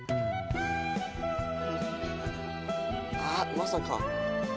まさか。